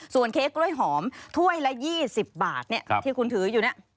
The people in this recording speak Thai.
เค้กกล้วยหอมถ้วยละ๒๐บาทที่คุณถืออยู่เนี่ย